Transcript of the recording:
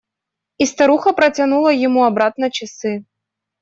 И старуха протянула ему обратно часы.